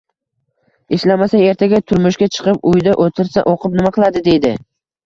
“Ishlamasa, ertaga turmushga chiqib uyda o‘tirsa, o‘qib nima qiladi?” deydi.